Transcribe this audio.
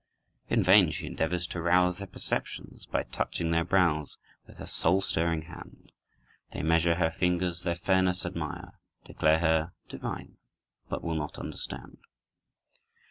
In vain she endeavors to rouse their perceptions By touching their brows with her soul stirring hand They measure her fingers, their fairness admire, Declare her "divine," but will not understand.